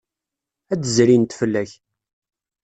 Ad d-zrint fell-ak.